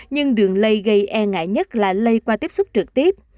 nhưng đường lây gây e ngại nhất là lây qua tiếp xúc trực tiếp